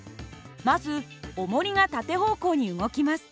まずおもりが縦方向に動きます。